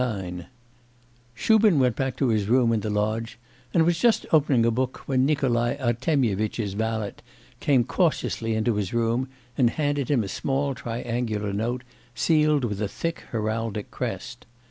IX Shubin went back to his room in the lodge and was just opening a book, when Nikolai Artemyevitch's valet came cautiously into his room and handed him a small triangular note, sealed with a thick heraldic crest.